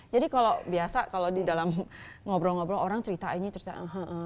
jadi kalau biasa kalau di dalam ngobrol ngobrol orang cerita ini cerita ini